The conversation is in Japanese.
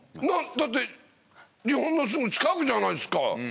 なっだって日本のすぐ近くじゃないですか。